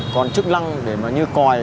còn chức năng để mà như còi